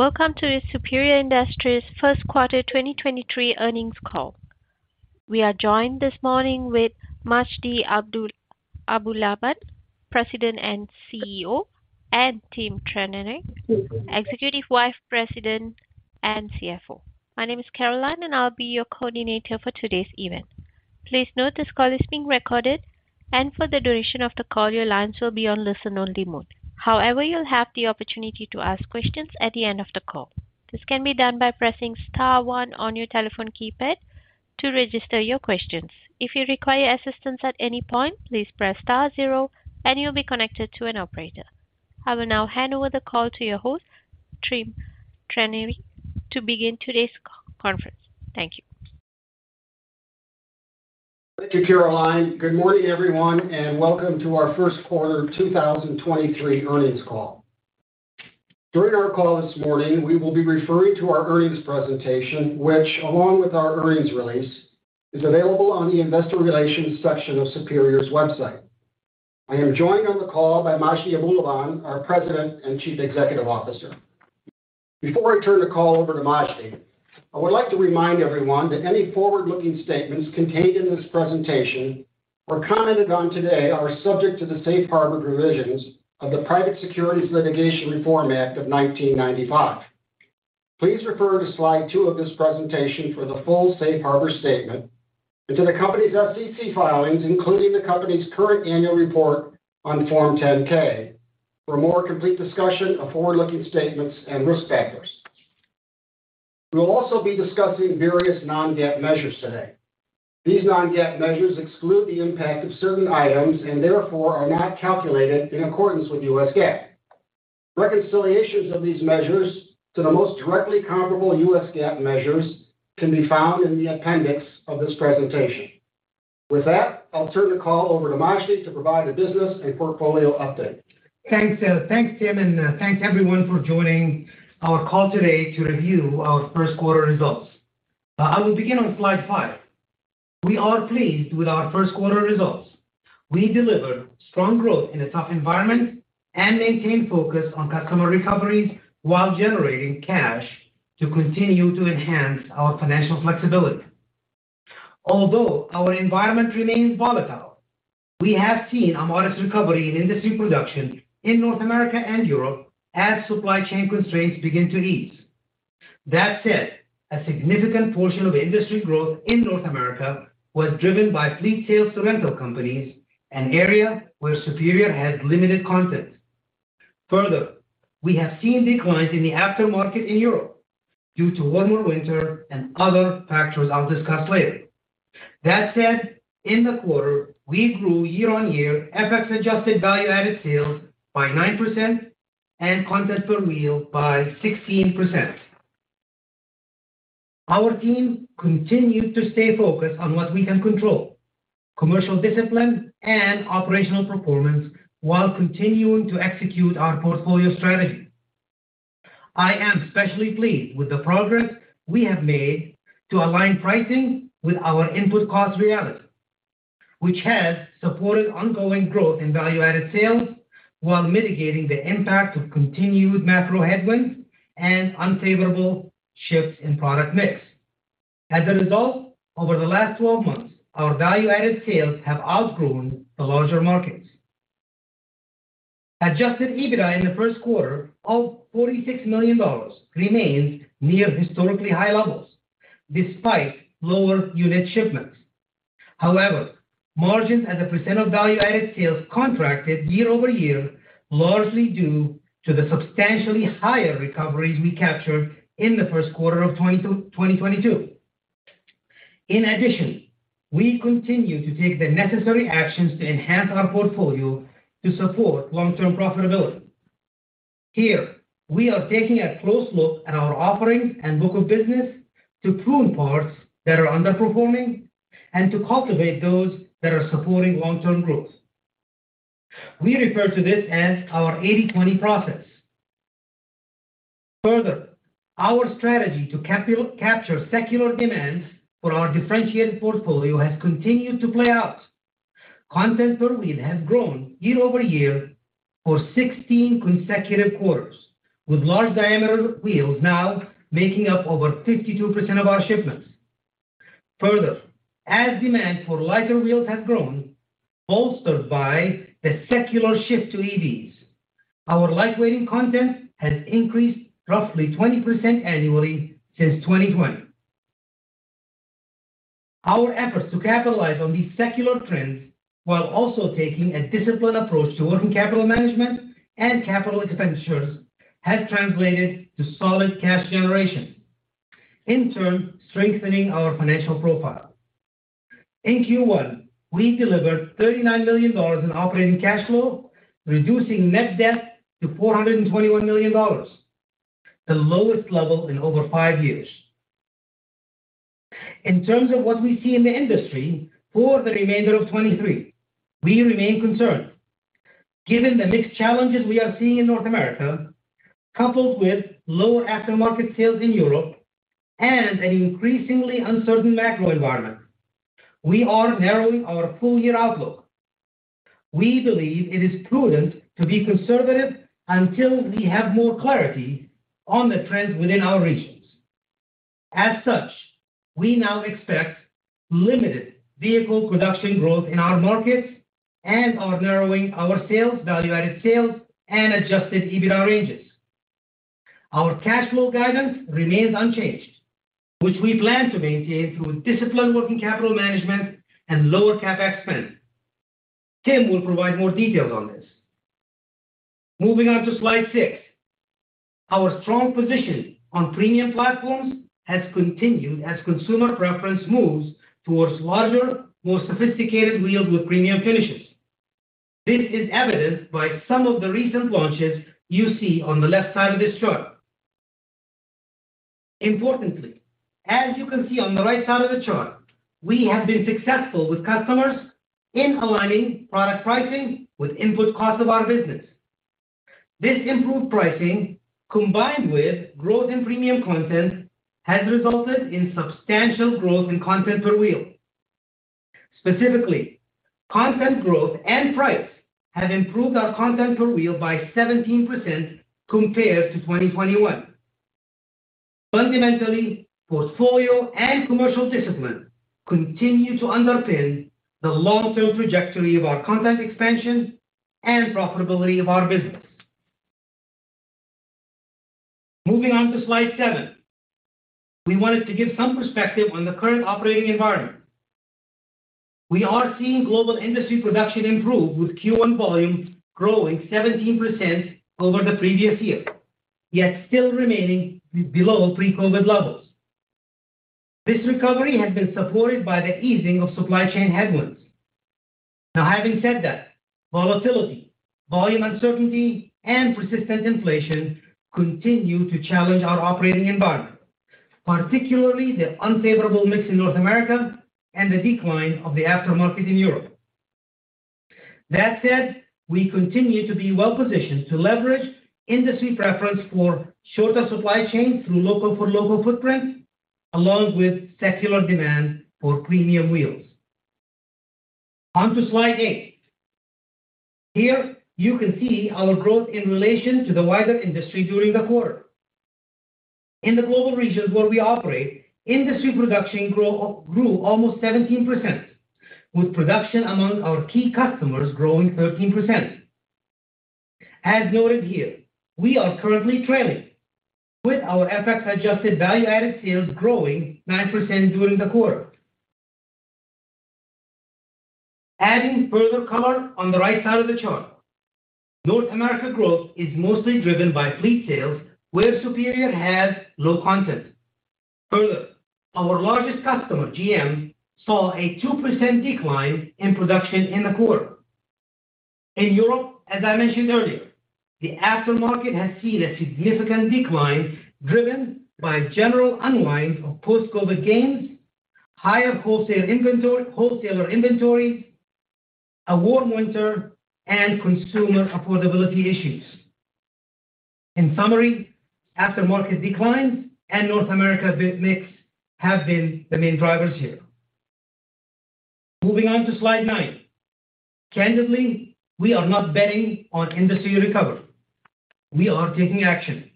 Welcome to the Superior Industries 1st quarter 2023 earnings call. We are joined this morning with Majdi Aboulaban, President and CEO, and Tim Trenary, Executive Vice President and CFO. My name is Caroline, and I'll be your coordinator for today's event. Please note this call is being recorded, and for the duration of the call, your lines will be on listen only mode. However, you'll have the opportunity to ask questions at the end of the call. This can be done by pressing star one on your telephone keypad to register your questions. If you require assistance at any point, please press star zero and you'll be connected to an operator. I will now hand over the call to your host, Tim Trenary, to begin today's conference. Thank you. Thank you, Caroline. Good morning, everyone, and welcome to our first quarter 2023 earnings call. During our call this morning, we will be referring to our earnings presentation, which, along with our earnings release, is available on the investor relations section of Superior's website. I am joined on the call by Majdi Aboulaban, our President and Chief Executive Officer. Before I turn the call over to Majdi, I would like to remind everyone that any forward-looking statements contained in this presentation or commented on today are subject to the safe harbor provisions of the Private Securities Litigation Reform Act of 1995. Please refer to slide two of this presentation for the full safe harbor statement and to the company's SEC filings, including the company's current annual report on Form 10-K for a more complete discussion of forward-looking statements and risk factors. We will also be discussing various non-GAAP measures today. These non-GAAP measures exclude the impact of certain items and therefore are not calculated in accordance with U.S. GAAP. Reconciliations of these measures to the most directly comparable U.S. GAAP measures can be found in the appendix of this presentation. With that, I'll turn the call over to Majdi to provide a business and portfolio update. Thanks, thanks, Tim, and thanks, everyone, for joining our call today to review our first quarter results. I will begin on slide five. We are pleased with our first quarter results. We delivered strong growth in a tough environment and maintained focus on customer recoveries while generating cash to continue to enhance our financial flexibility. Although our environment remains volatile, we have seen a modest recovery in industry production in North America and Europe as supply chain constraints begin to ease. That said, a significant portion of industry growth in North America was driven by fleet sales to rental companies, an area where Superior has limited content. Further, we have seen declines in the aftermarket in Europe due to warmer winter and other factors I'll discuss later. That said, in the quarter, we grew year-on-year FX Adjusted Value-Added Sales by 9% and Content per Wheel by 16%. Our team continued to stay focused on what we can control, commercial discipline and operational performance, while continuing to execute our portfolio strategy. I am especially pleased with the progress we have made to align pricing with our input cost reality, which has supported ongoing growth in Value-Added Sales while mitigating the impact of continued macro headwinds and unfavorable shifts in product mix. As a result, over the last 12 months, our Value-Added Sales have outgrown the larger markets. Adjusted EBITDA in the first quarter of $46 million remains near historically high levels despite lower unit shipments. Margins as a % of Value-Added Sales contracted year-over-year, largely due to the substantially higher recoveries we captured in the first quarter of 2022. We continue to take the necessary actions to enhance our portfolio to support long-term profitability. Here we are taking a close look at our offerings and book of business to prune parts that are underperforming and to cultivate those that are supporting long-term growth. We refer to this as our 80/20 process. Our strategy to capture secular demands for our differentiated portfolio has continued to play out. Content per Wheel has grown year-over-year for 16 consecutive quarters, with large diameter wheels now making up over 52% of our shipments. As demand for lighter wheels has grown, bolstered by the secular shift to EVs, our lightweighting content has increased roughly 20% annually since 2020. Our efforts to capitalize on these secular trends while also taking a disciplined approach to working capital management and capital expenditures has translated to solid cash generation, in turn strengthening our financial profile. In Q1, we delivered $39 million in operating cash flow, reducing net debt to $421 million, the lowest level in over 5 years. In terms of what we see in the industry for the remainder of 2023, we remain concerned. Given the mixed challenges we are seeing in North America, coupled with lower aftermarket sales in Europe and an increasingly uncertain macro environment, we are narrowing our full-year outlook. We believe it is prudent to be conservative until we have more clarity on the trends within our regions. As such, we now expect limited vehicle production growth in our markets and are narrowing our sales, Value-Added Sales, and Adjusted EBITDA ranges. Our cash flow guidance remains unchanged, which we plan to maintain through disciplined working capital management and lower CapEx spend. Tim will provide more details on this. Moving on to slide six. Our strong position on premium platforms has continued as consumer preference moves towards larger, more sophisticated wheels with premium finishes. This is evidenced by some of the recent launches you see on the left side of this chart. Importantly, as you can see on the right side of the chart, we have been successful with customers in aligning product pricing with input costs of our business. This improved pricing, combined with growth in premium content, has resulted in substantial growth in Content per Wheel. Specifically, content growth and price have improved our Content per Wheel by 17% compared to 2021. Fundamentally, portfolio and commercial discipline continue to underpin the long-term trajectory of our content expansion and profitability of our business. Moving on to slide seven. We wanted to give some perspective on the current operating environment. We are seeing global industry production improve with Q1 volumes growing 17% over the previous year, yet still remaining below pre-COVID levels. This recovery has been supported by the easing of supply chain headwinds. Having said that, volatility, volume uncertainty, and persistent inflation continue to challenge our operating environment, particularly the unfavorable mix in North America and the decline of the aftermarket in Europe. We continue to be well-positioned to leverage industry preference for shorter supply chain through local for local footprints, along with secular demand for premium wheels. On to slide 8. Here you can see our growth in relation to the wider industry during the quarter. In the global regions where we operate, industry production grew almost 17%, with production among our key customers growing 13%. As noted here, we are currently trailing with our FX-Adjusted Value-Added Sales growing 9% during the quarter. Adding further color on the right side of the chart. North America growth is mostly driven by fleet sales, where Superior has low content. Further, our largest customer, GM, saw a 2% decline in production in the quarter. In Europe, as I mentioned earlier, the aftermarket has seen a significant decline driven by general unwind of post-COVID gains, higher wholesaler inventories, a warm winter, and consumer affordability issues. In summary, aftermarket declines and North America mix have been the main drivers here. Moving on to slide nine. Candidly, we are not betting on industry recovery. We are taking action.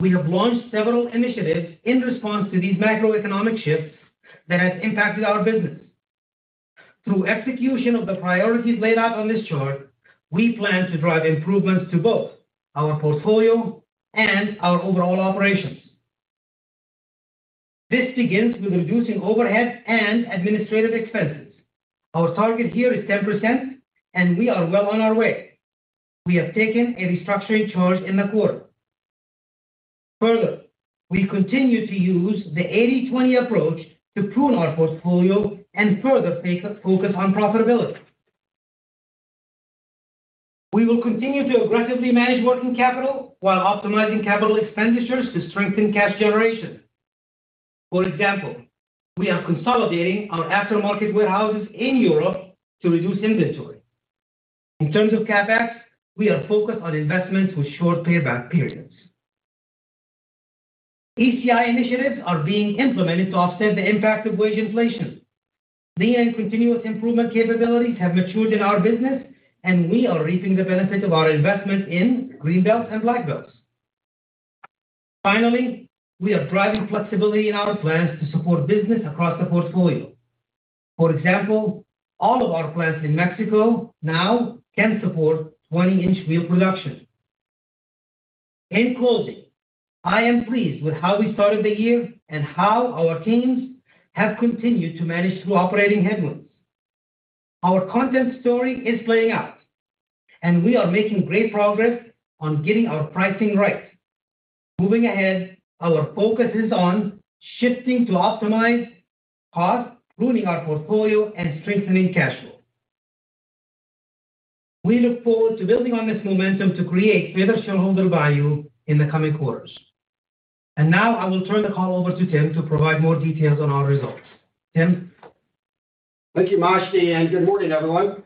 We have launched several initiatives in response to these macroeconomic shifts that has impacted our business. Through execution of the priorities laid out on this chart, we plan to drive improvements to both our portfolio and our overall operations. This begins with reducing overhead and administrative expenses. Our target here is 10%, and we are well on our way. We have taken a restructuring charge in the quarter. Further, we continue to use the 80/20 approach to prune our portfolio and further focus on profitability. We will continue to aggressively manage working capital while optimizing capital expenditures to strengthen cash generation. For example, we are consolidating our aftermarket warehouses in Europe to reduce inventory. In terms of CapEx, we are focused on investments with short payback periods. ECI initiatives are being implemented to offset the impact of wage inflation. Lean and continuous improvement capabilities have matured in our business, and we are reaping the benefit of our investment in Green Belts and Black Belts. Finally, we are driving flexibility in our plants to support business across the portfolio. For example, all of our plants in Mexico now can support 20-inch wheel production. In closing, I am pleased with how we started the year and how our teams have continued to manage through operating headwinds. Our content story is playing out, and we are making great progress on getting our pricing right. Moving ahead, our focus is on shifting to optimized cost, pruning our portfolio, and strengthening cash flow. We look forward to building on this momentum to create greater shareholder value in the coming quarters. Now I will turn the call over to Tim to provide more details on our results. Tim? Thank you, Majdi, and good morning, everyone.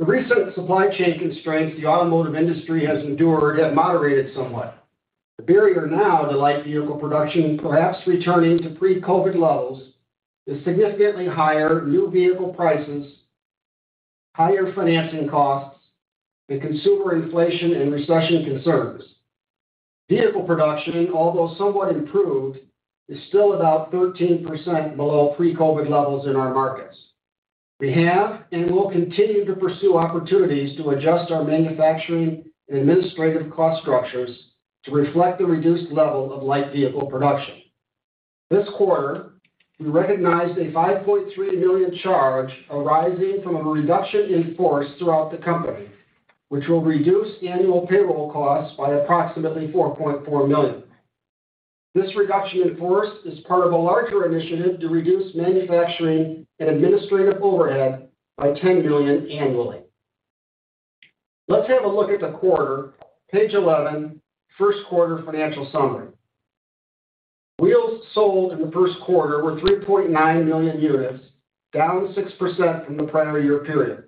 The recent supply chain constraints the automotive industry has endured have moderated somewhat. The barrier now to light vehicle production perhaps returning to pre-COVID levels is significantly higher new vehicle prices, higher financing costs, and consumer inflation and recession concerns. Vehicle production, although somewhat improved, is still about 13% below pre-COVID levels in our markets. We have and will continue to pursue opportunities to adjust our manufacturing and administrative cost structures to reflect the reduced level of light vehicle production. This quarter, we recognized a $5.3 million charge arising from a reduction in force throughout the company, which will reduce annual payroll costs by approximately $4.4 million. This reduction in force is part of a larger initiative to reduce manufacturing and administrative overhead by $10 million annually. Let's have a look at the quarter, page 11, first quarter financial summary. Wheels sold in the first quarter were 3.9 million units, down 6% from the prior year period.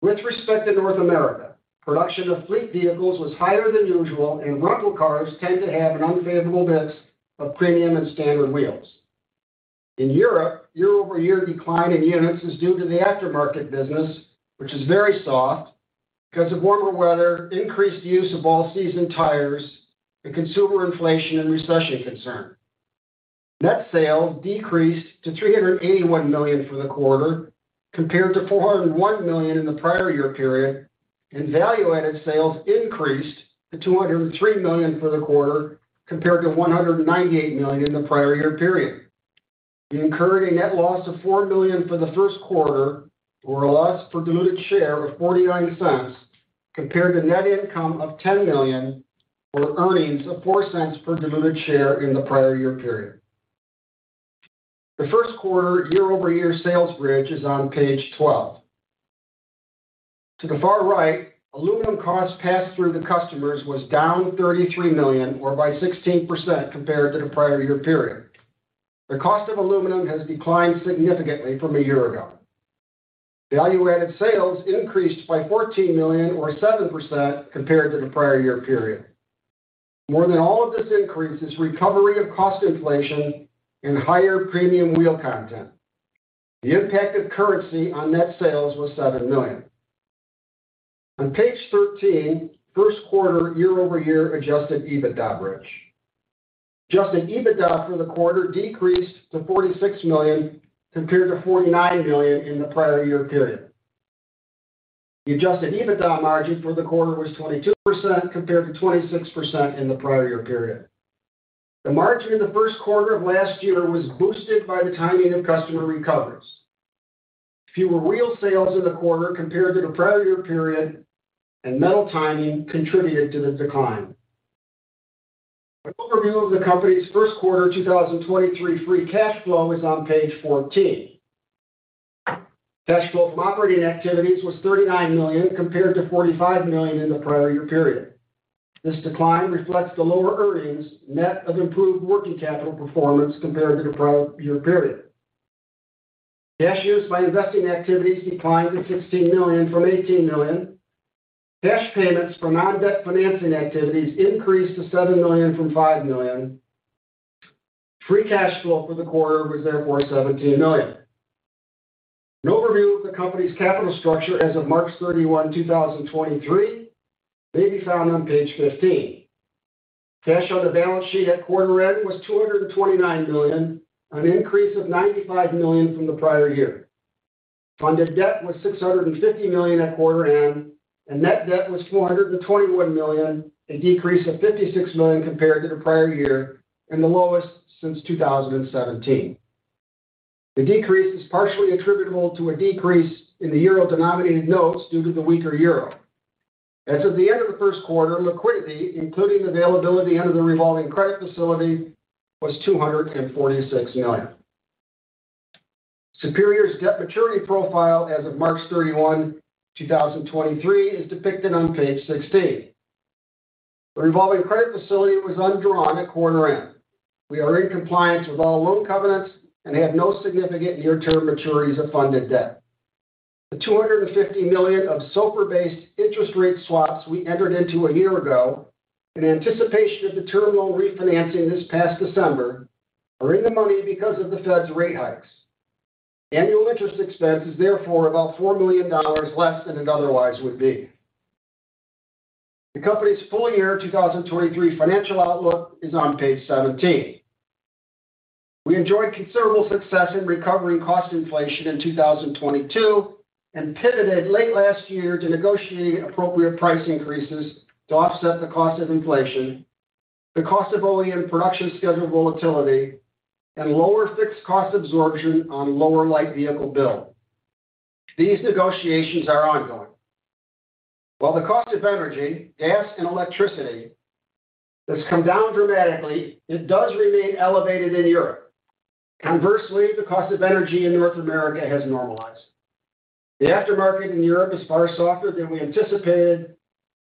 With respect to North America, production of fleet vehicles was higher than usual. Rental cars tend to have an unfavorable mix of premium and standard wheels. In Europe, year-over-year decline in units is due to the aftermarket business, which is very soft because of warmer weather, increased use of all-season tires, and consumer inflation and recession concern. Net sales decreased to $381 million for the quarter, compared to $401 million in the prior year period. Value-Added Sales increased to $203 million for the quarter, compared to $198 million in the prior year period. We incurred a net loss of $4 million for the first quarter, or a loss per diluted share of $0.49 compared to net income of $10 million, or earnings of $0.04 per diluted share in the prior year period. The first quarter year-over-year sales bridge is on page 12. To the far right, aluminum cost passed through to customers was down $33 million or by 16% compared to the prior year period. The cost of aluminum has declined significantly from a year ago. Value-added sales increased by $14 million or 7% compared to the prior year period. More than all of this increase is recovery of cost inflation and higher premium wheel content. The impact of currency on net sales was $7 million. On page 13, first quarter year-over-year Adjusted EBITDA bridge. Adjusted EBITDA for the quarter decreased to $46 million compared to $49 million in the prior year period. The Adjusted EBITDA margin for the quarter was 22% compared to 26% in the prior year period. The margin in the first quarter of last year was boosted by the timing of customer recoveries. Fewer wheel sales in the quarter compared to the prior year period and metal timing contributed to the decline. An overview of the company's first quarter 2023 free cash flow is on page 14. Cash flow from operating activities was $39 million compared to $45 million in the prior year period. This decline reflects the lower earnings net of improved working capital performance compared to the prior year period. Cash used by investing activities declined to $16 million from $18 million. Cash payments from non-debt financing activities increased to $7 million from $5 million. Free cash flow for the quarter was therefore $17 million. An overview of the company's capital structure as of March 31, 2023 may be found on page 15. Cash on the balance sheet at quarter end was $229 million, an increase of $95 million from the prior year. Funded debt was $650 million at quarter end, and net debt was $421 million, a decrease of $56 million compared to the prior year and the lowest since 2017. The decrease is partially attributable to a decrease in the euro-denominated notes due to the weaker euro. As of the end of the first quarter, liquidity, including availability under the revolving credit facility, was $246 million. Superior's debt maturity profile as of March 31, 2023 is depicted on page 16. The revolving credit facility was undrawn at quarter end. We are in compliance with all loan covenants and have no significant near-term maturities of funded debt. The $250 million of SOFR-based interest rate swaps we entered into a year ago in anticipation of the term loan refinancing this past December are in the money because of the Fed's rate hikes. Annual interest expense is therefore about $4 million less than it otherwise would be. The company's full year 2023 financial outlook is on page 17. We enjoyed considerable success in recovering cost inflation in 2022 and pivoted late last year to negotiating appropriate price increases to offset the cost of inflation, the cost of OEM production schedule volatility, and lower fixed cost absorption on lower light vehicle build. These negotiations are ongoing. While the cost of energy, gas, and electricity has come down dramatically, it does remain elevated in Europe. Conversely, the cost of energy in North America has normalized. The aftermarket in Europe is far softer than we anticipated.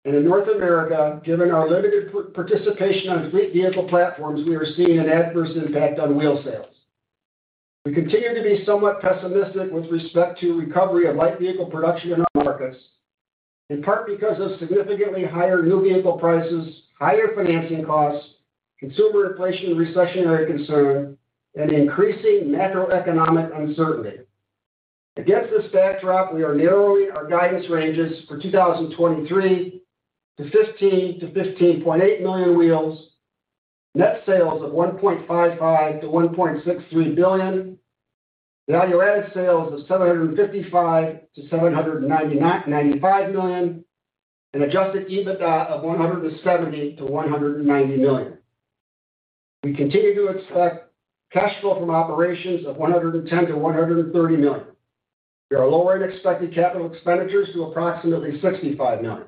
In North America, given our limited participation on fleet vehicle platforms, we are seeing an adverse impact on wheel sales. We continue to be somewhat pessimistic with respect to recovery of light vehicle production in our markets, in part because of significantly higher new vehicle prices, higher financing costs, consumer inflation and recessionary concern, and increasing macroeconomic uncertainty. Against this backdrop, we are narrowing our guidance ranges for 2023 to 15 million-15.8 million wheels, net sales of $1.55 billion-$1.63 billion, Value-Added Sales of $755 million-$795 million, and Adjusted EBITDA of $170 million-$190 million. We continue to expect cash flow from operations of $110 million-$130 million. We are lowering expected capital expenditures to approximately $65 million.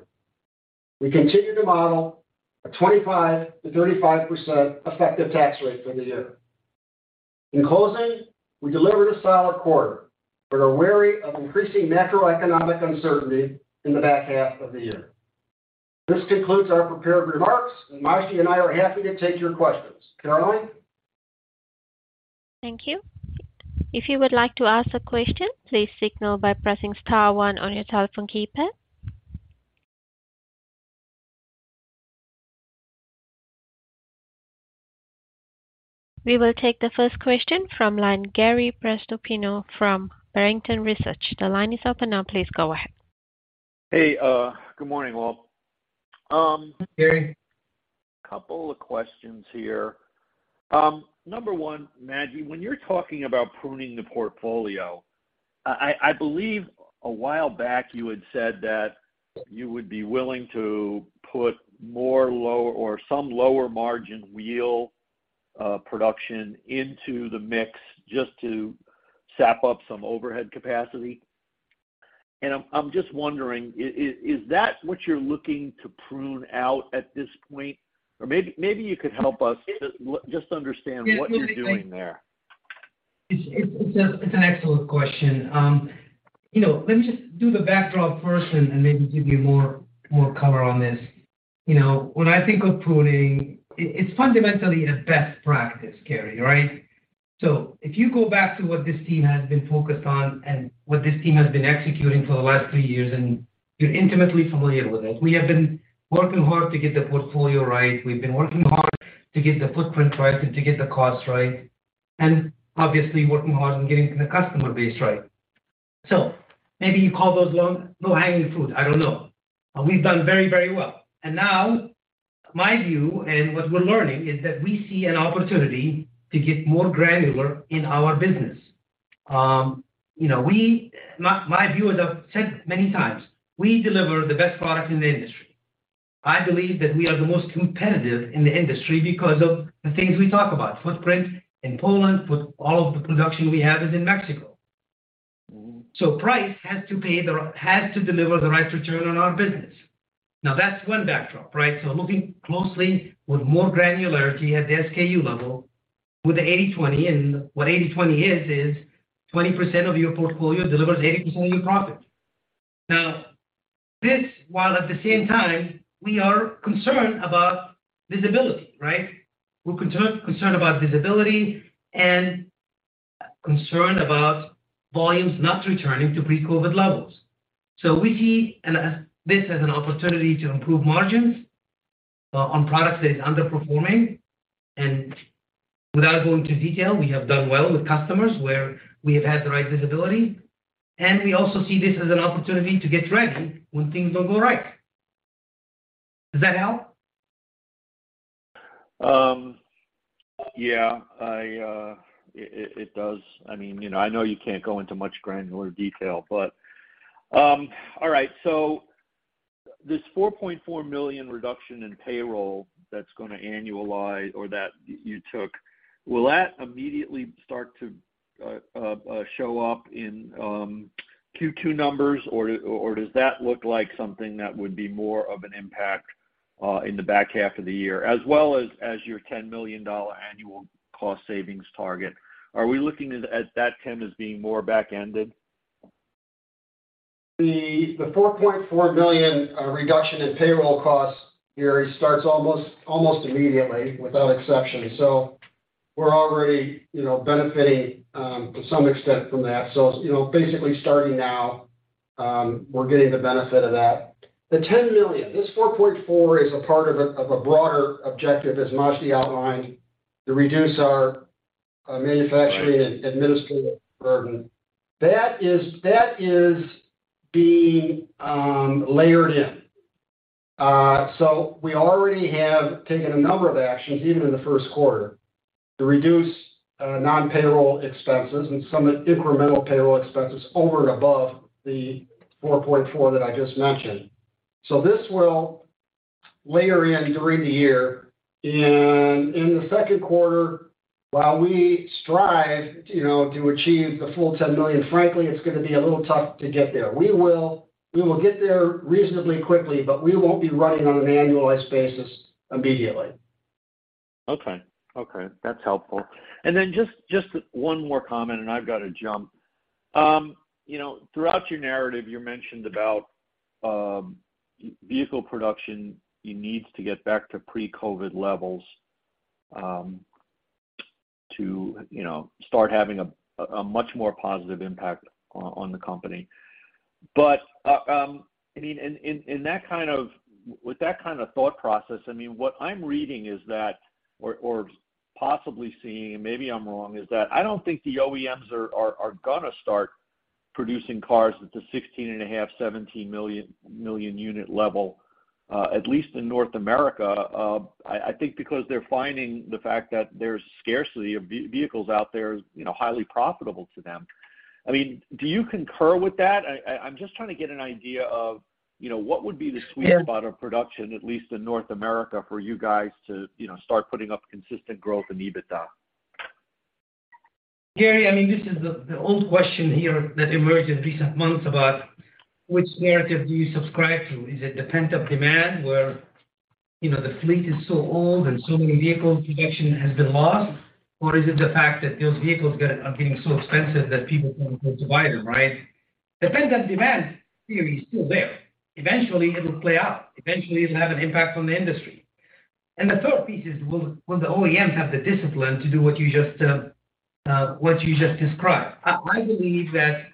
We continue to model a 25%-35% effective tax rate for the year. In closing, we delivered a solid quarter, but are wary of increasing macroeconomic uncertainty in the back half of the year. This concludes our prepared remarks, and Majdi and I are happy to take your questions. Caroline? Thank you. If you would like to ask a question, please signal by pressing star one on your telephone keypad. We will take the first question from line, Gary Prestopino from Barrington Research. The line is open now. Please go ahead. Hey, good morning, all. Hey, Gary. A couple of questions here. Number one, Majdi, when you're talking about pruning the portfolio, I believe a while back you had said that you would be willing to put more low or some lower margin wheel production into the mix just to sap up some overhead capacity. I'm just wondering is that what you're looking to prune out at this point? Maybe you could help us just understand what you're doing there. It's an excellent question. You know, let me just do the backdrop first and maybe give you more color on this. You know, when I think of pruning, it's fundamentally a best practice Gary, right? If you go back to what this team has been focused on and what this team has been executing for the last three years, and you're intimately familiar with it. We have been working hard to get the portfolio right. We've been working hard to get the footprint right and to get the costs right. Obviously working hard on getting the customer base right. Maybe you call those low hanging fruit. I don't know. We've done very well. Now my view and what we're learning is that we see an opportunity to get more granular in our business. you know, my view, as I've said many times, we deliver the best product in the industry. I believe that we are the most competitive in the industry because of the things we talk about, footprint in Poland with all of the production we have is in Mexico. Price has to deliver the right return on our business. Now that's one backdrop, right? Looking closely with more granularity at the SKU level with the 80/20. What 80/20 is 20% of your portfolio delivers 80% of your profit. Now this, while at the same time we are concerned about visibility, right? We're concerned about visibility and concerned about volumes not returning to pre-COVID levels. We see this as an opportunity to improve margins on products that is underperforming. Without going into detail, we have done well with customers where we have had the right visibility. We also see this as an opportunity to get ready when things don't go right. Does that help? Yeah. It does. I mean, you know, I know you can't go into much granular detail, but all right. This $4.4 million reduction in payroll that's gonna annualize or that you took, will that immediately start to show up in Q2 numbers or does that look like something that would be more of an impact in the back half of the year, as well as your $10 million annual cost savings target? Are we looking at that, Tim, as being more back-ended? The $4.4 million reduction in payroll costs, Gary, starts almost immediately without exception. We're already, you know, benefiting to some extent from that. You know, basically starting now we're getting the benefit of that. The $10 million, this $4.4 is a part of a broader objective, as Majdi outlined, to reduce our manufacturing. Right. Administrative burden. That is being layered in. We already have taken a number of actions even in the first quarter to reduce non-payroll expenses and some incremental payroll expenses over and above the $4.4 that I just mentioned. This will layer in during the year. In the second quarter, while we strive, you know, to achieve the full $10 million, frankly, it's gonna be a little tough to get there. We will get there reasonably quickly, but we won't be running on an annualized basis immediately. Okay. That's helpful. Just one more comment and I've got to jump. You know, throughout your narrative, you mentioned about vehicle production needs to get back to pre-COVID levels to, you know, start having a much more positive impact on the company. I mean, with that kind of thought process, I mean, what I'm reading is that or possibly seeing, and maybe I'm wrong, is that I don't think the OEMs are gonna start producing cars at the 16.5, 17 million unit level at least in North America. I think because they're finding the fact that there's scarcity of vehicles out there is, you know, highly profitable to them. I mean, do you concur with that? I'm just trying to get an idea of, you know, what would be the sweet spot... Yeah. -of production, at least in North America, for you guys to, you know, start putting up consistent growth in EBITDA. Gary, I mean, this is the old question here that emerged in recent months about which narrative do you subscribe to? Is it the pent-up demand where, you know, the fleet is so old and so many vehicle production has been lost, or is it the fact that those vehicles are getting so expensive that people can't afford to buy them, right? The pent-up demand theory is still there. Eventually, it will play out. Eventually, it'll have an impact on the industry. The third piece is, will the OEM have the discipline to do what you just described? I believe that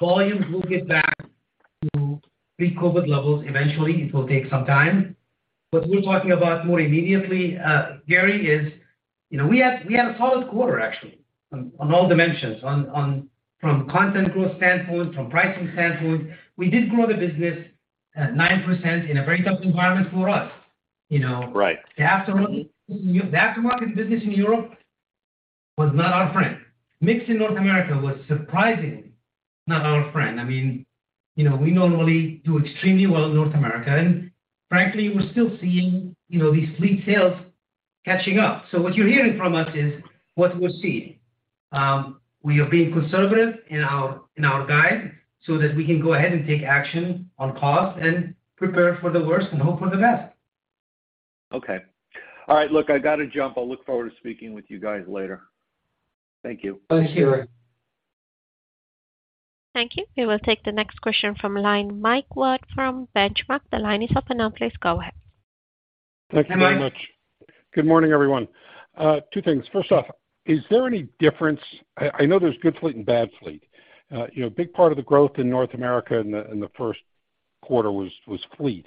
volumes will get back to pre-COVID levels eventually. It will take some time. What we're talking about more immediately, Gary is, you know, we had a solid quarter actually on all dimensions. From content growth standpoint, from pricing standpoint, we did grow the business at 9% in a very tough environment for us, you know. Right. The aftermarket business in Europe was not our friend. Mix in North America was surprisingly not our friend. I mean, you know, we normally do extremely well in North America, and frankly, we're still seeing, you know, these fleet sales catching up. What you're hearing from us is what we're seeing. We are being conservative in our guide so that we can go ahead and take action on costs and prepare for the worst and hope for the best. Okay. All right. Look, I gotta jump. I'll look forward to speaking with you guys later. Thank you. Thank you. Thank you. We will take the next question from line. Mike Ward from Benchmark, the line is open now, please go ahead. Hi, Mike. Thank you very much. Good morning, everyone. Two things. First off, is there any difference? I know there's good fleet and bad fleet. you know, a big part of the growth in North America in the first quarter was fleet.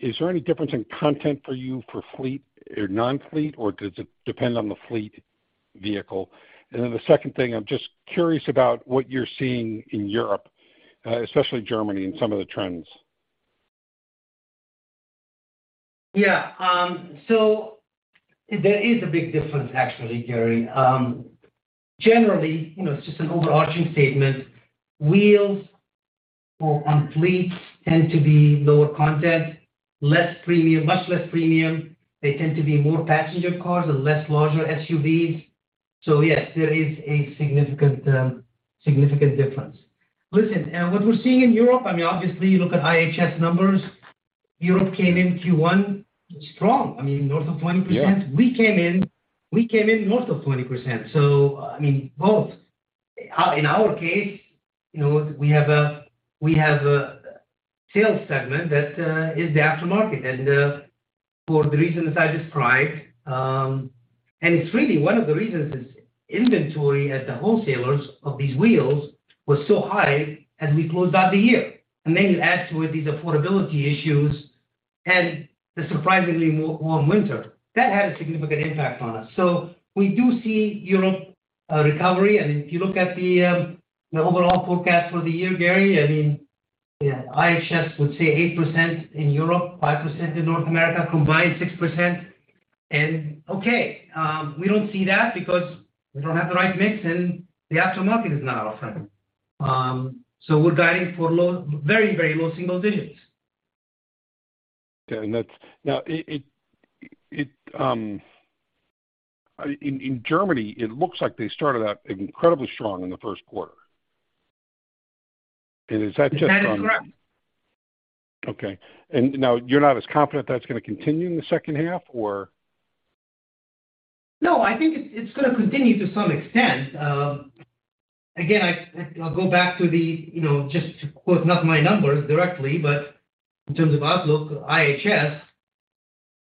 Is there any difference in content for you for fleet or non-fleet, or does it depend on the fleet vehicle? The second thing, I'm just curious about what you're seeing in Europe, especially Germany, and some of the trends. Yeah. There is a big difference actually, Gary. Generally, you know, it's just an overarching statement, wheels on fleets tend to be lower content, less premium, much less premium. They tend to be more passenger cars and less larger SUVs. Yes, there is a significant difference. Listen, what we're seeing in Europe, I mean, obviously, you look at IHS numbers, Europe came in Q1 strong, I mean, north of 20%. Yeah. We came in north of 20%. I mean, both. In our case, you know, we have a sales segment that is the aftermarket, for the reasons I described. It's really one of the reasons is inventory at the wholesalers of these wheels was so high as we closed out the year. You add to it these affordability issues and the surprisingly warm winter. That had a significant impact on us. We do see Europe recovery. If you look at the overall forecast for the year, Gary, I mean, IHS would say 8% in Europe, 5% in North America, combined 6%. Okay, we don't see that because we don't have the right mix, and the aftermarket is not our friend. We're guiding for very low single digits. Okay. Now it in Germany, it looks like they started out incredibly strong in the first quarter. Is that just? That is correct. Okay. Now you're not as confident that's gonna continue in the second half or? No, I think it's gonna continue to some extent. Again, I'll go back to the, you know, just to quote not my numbers directly, but in terms of outlook, IHS-. Yeah.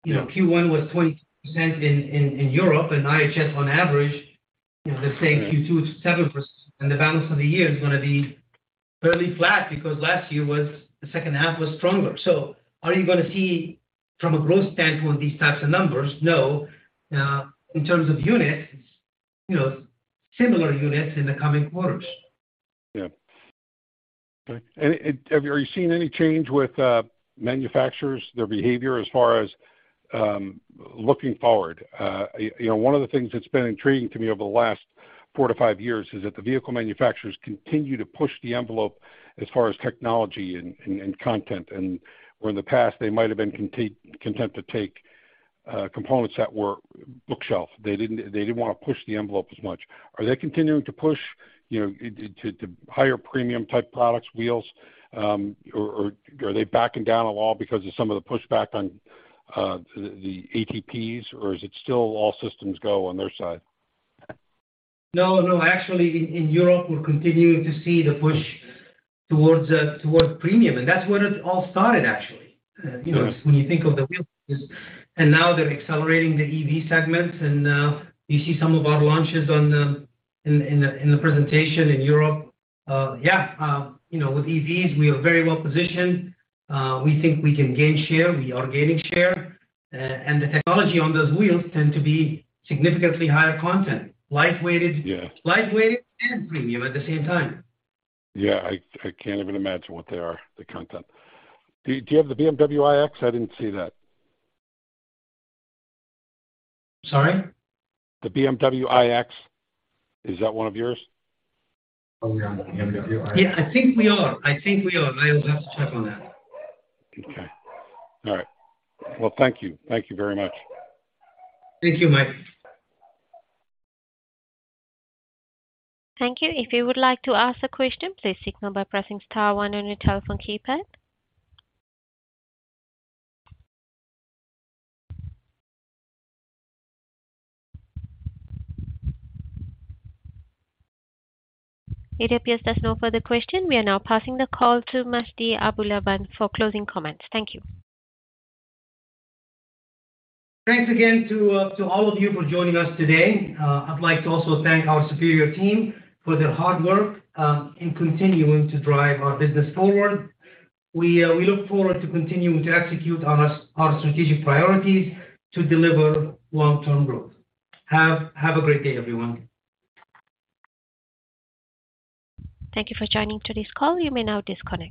You know, Q1 was 20% in Europe, and IHS on average, you know, they're saying Q2 is 7%, and the balance of the year is gonna be fairly flat because last year was the second half was stronger. Are you gonna see from a growth standpoint, these types of numbers? No. In terms of units, you know, similar units in the coming quarters. Okay. Are you seeing any change with manufacturers, their behavior as far as looking forward? One of the things that's been intriguing to me over the last four to five years is that the vehicle manufacturers continue to push the envelope as far as technology and content. Where in the past they might have been content to take components that were bookshelf. They didn't wanna push the envelope as much. Are they continuing to push to higher premium type products, wheels, or are they backing down at all because of some of the pushback on the ATPs or is it still all systems go on their side? No. Actually, in Europe, we're continuing to see the push towards premium, and that's where it all started, actually. Yes. You know, when you think of the wheel business. Now they're accelerating the EV segments and you see some of our launches in the presentation in Europe. You know, with EVs, we are very well positioned. We think we can gain share. We are gaining share. The technology on those wheels tend to be significantly higher content. Light-weighted. Yeah. Light-weighted and premium at the same time. Yeah. I can't even imagine what they are, the content. Do you have the BMW iX? I didn't see that. Sorry? The BMW iX. Is that one of yours? Are we on BMW iX? I think we are. I think we are. I'll just check on that. Okay. All right. Well, thank you. Thank you very much. Thank you, Mike. Thank you. If you would like to ask a question, please signal by pressing star one on your telephone keypad. It appears there's no further question. We are now passing the call to Majdi Aboulaban for closing comments. Thank you. Thanks again to all of you for joining us today. I'd like to also thank our Superior team for their hard work, in continuing to drive our business forward. We, we look forward to continuing to execute on our strategic priorities to deliver long-term growth. Have a great day, everyone. Thank you for joining today's call. You may now disconnect.